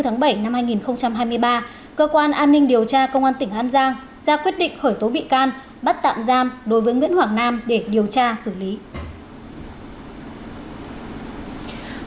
ngày bảy tháng bảy năm hai nghìn hai mươi ba cơ quan an ninh điều tra công an tỉnh an giang ra quyết định khởi tố bị can bắt tạm giam đối với nguyễn hoàng nam để điều tra xử lý